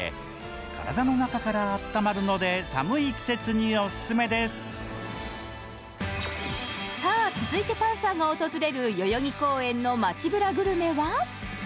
体の中からあったまるので寒い季節にオススメですさあ続いてパンサーが訪れる代々木公園の街ぶらグルメは？